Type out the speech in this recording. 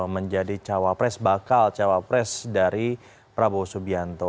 menjadi cawapres bakal cawapres dari prabowo subianto